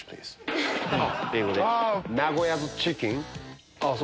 名古屋ズチキン。